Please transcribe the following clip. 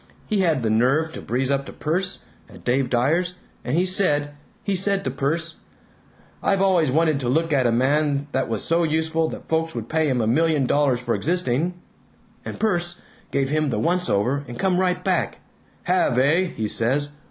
He had the nerve to breeze up to Perce, at Dave Dyer's, and he said, he said to Perce, 'I've always wanted to look at a man that was so useful that folks would pay him a million dollars for existing,' and Perce gave him the once over and come right back, 'Have, eh?' he says.